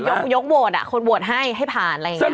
ยกโหวตคนโหวตให้ให้ผ่านอะไรอย่างนี้